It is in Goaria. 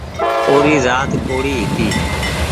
او ري زآت ڪوڙي هيتي